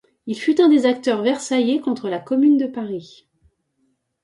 Il fut un des acteurs versaillais contre la Commune de Paris.